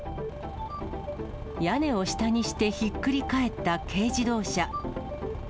屋根を下にしてひっくり返った軽自動車。